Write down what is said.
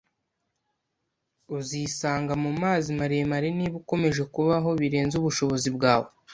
Uzisanga mumazi maremare niba ukomeje kubaho birenze ubushobozi bwawe.